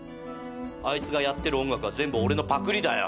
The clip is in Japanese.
あいつがやってる音楽は全部俺のパクリだよ。